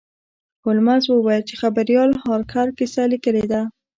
هولمز وویل چې خبریال هارکر کیسه لیکلې ده.